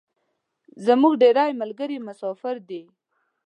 زمونږ ډیری ملګري مسافر دی